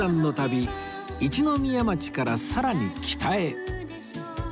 一宮町からさらに北へ